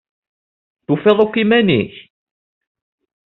Tufiḍ akk iman-ik?